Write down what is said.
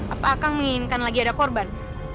apa akan menginginkan lagi ada korban